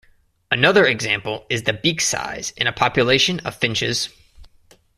Another example is the beak size in a population of finches.